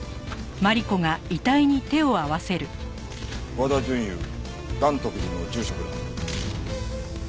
和田淳雄嵐徳寺の住職だ。